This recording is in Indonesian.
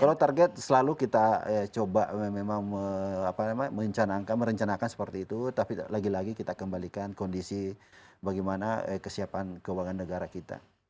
kalau target selalu kita coba memang merencanakan seperti itu tapi lagi lagi kita kembalikan kondisi bagaimana kesiapan keuangan negara kita